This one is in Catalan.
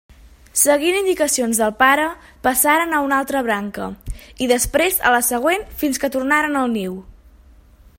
Seguint indicacions del pare, passaren a una altra branca, i després a la següent fins que tornaren al niu.